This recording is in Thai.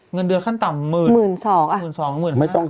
เงินเดือนขั้นต่ำ๑๒๐๐อ่ะ